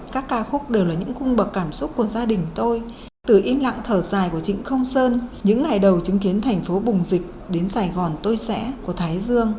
các ca khúc đều là những cung bậc cảm xúc của gia đình tôi từ im lặng thở dài của trịnh không sơn những ngày đầu chứng kiến thành phố bùng dịch đến sài gòn tôi sẽ của thái dương